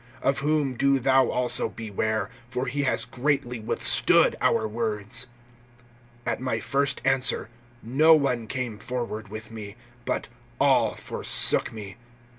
(15)Of whom do thou also beware; for he has greatly withstood our words. (16)At my first answer no one came forward with me, but all forsook me.